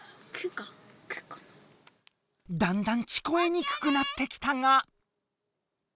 だんだん聞こえにくくなってきたが。